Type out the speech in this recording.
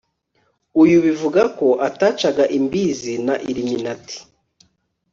uyu bivuga ko atacaga imbizi na iluminati